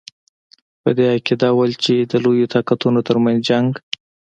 په دې عقیده وو چې د لویو طاقتونو ترمنځ جنګ.